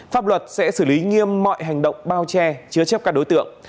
pháp luật sẽ xử lý nghiêm mọi hành động bao che chứa chấp các đối tượng